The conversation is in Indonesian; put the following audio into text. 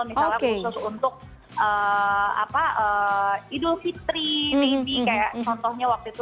misalnya khusus untuk idul fitri nabi kayak contohnya waktu itu